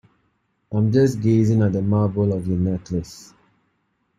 I'm just gazing at the marble of your necklace.